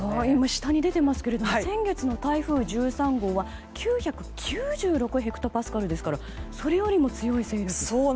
下に出ていますけれども先月の台風１３号は９９６ヘクトパスカルですからそれよりも強い勢力と。